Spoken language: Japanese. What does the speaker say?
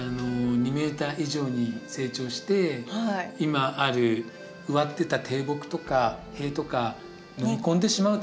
２メーター以上に成長して今ある植わってた低木とか塀とかのみ込んでしまう。